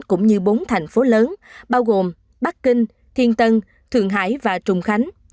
cũng như bốn thành phố lớn bao gồm bắc kinh thiên tân thượng hải và trung khánh